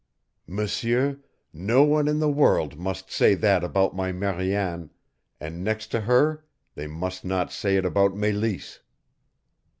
"M'seur, no one in the world must say that about my Mariane, and next to her they must not say it about Meleese.